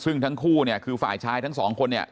ซึ่งทั้งคู่เนี่ยคือฝ่ายชายทั้งสองคนเนี่ย